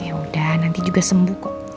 yaudah nanti juga sembuh kok